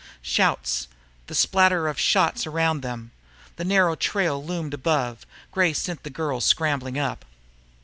Shouts, the spatter of shots around them. The narrow trail loomed above. Gray sent the girl scrambling up.